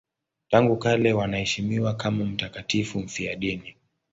Tangu kale wanaheshimiwa kama mtakatifu mfiadini.